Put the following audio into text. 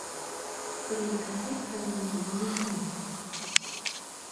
Terima kasih kerana menghubungi kami.